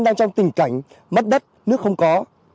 đang trong tình cảnh mất đất nước không có